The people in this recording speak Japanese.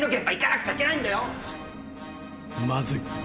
まずい